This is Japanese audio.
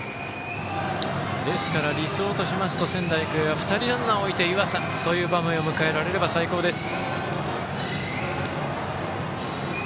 ですから、理想としますと仙台育英は２人ランナーを置いて湯浅という場面を迎えられれば最高です。